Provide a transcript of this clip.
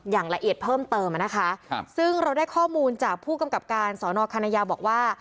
อย่างละเอียดเพิ่มเติมอ่ะนะคะครับซึ่งเราได้ข้อมูลจากผู้กำกับการสอนอคณะยาวบอกว่า